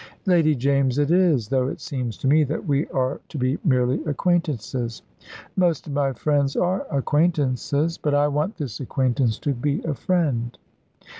"Lady James it is, though it seems to me that we are to be merely acquaintances." "Most of my friends are acquaintances." "But I want this acquaintance to be a friend."